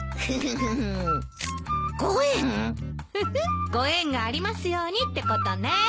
フフッご縁がありますようにってことね。